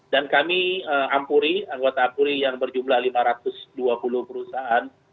dan kami ampuri anggota ampuri yang berjumlah lima ratus dua puluh perusahaan